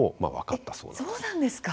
え、そうなんですか。